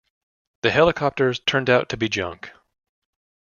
The helicopters turned out to be junk.